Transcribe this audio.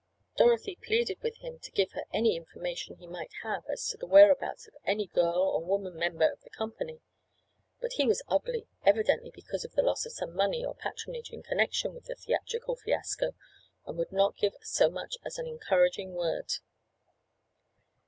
Dorothy pleaded with him to give her any information he might have as to the whereabouts of any girl or woman member of the company, but he was ugly, evidently because of the loss of some money or patronage in connection with the theatrical fiasco, and would not give so much as an encouraging word.